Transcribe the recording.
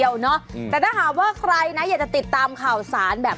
อย่าลืมติดตามชมนะครับ